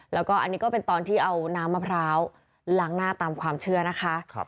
แล้วก็อันนี้ก็เป็นตอนที่เอาน้ำมะพร้าวล้างหน้าตามความเชื่อนะคะ